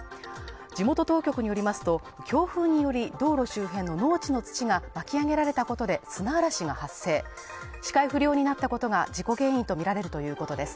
地元当局によりますと、強風により道路周辺の農地の土が巻き上げられたことで砂嵐が発生視界不良になったことが事故原因とみられるということです。